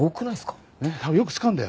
えっ？よく使うんだよ。